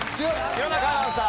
弘中アナウンサー。